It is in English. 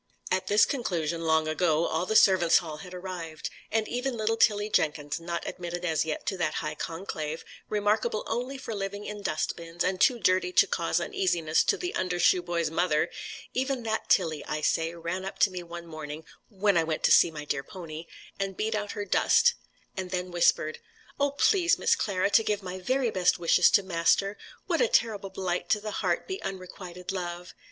At this conclusion, long ago, all the servants' hall had arrived; and even little Tilly Jenkins, not admitted as yet to that high conclave, remarkable only for living in dust bins, and too dirty to cause uneasiness to the under shoeboy's mother even that Tilly, I say, ran up to me one morning (when I went to see my dear pony) and beat out her dust, and then whispered: "Oh, please, Miss Clara, to give my very best wishes to Master. What a terrible blight to the heart be unrequited love!"